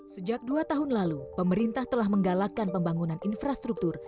sejak dua tahun lalu pemerintah telah menggalakkan pembangunan infrastruktur